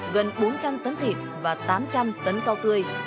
gần bốn trăm linh tấn thịt và tám trăm linh tấn rau tươi